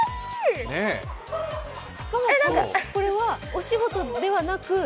しかも、これはお仕事ではなく？